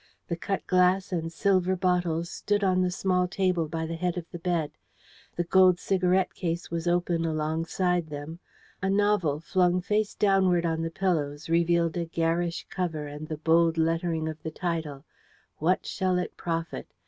The cut glass and silver bottles stood on the small table by the head of the bed; the gold cigarette case was open alongside them; a novel, flung face downward on the pillows, revealed a garish cover and the bold lettering of the title "What Shall it Profit?"